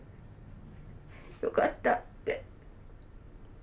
よかったって。